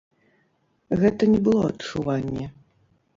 Гэта не было адчуванне.